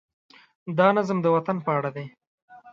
دا نظم د وطن په اړه دی.